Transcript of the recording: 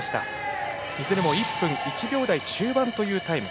いずれも１分１秒台中盤というタイム。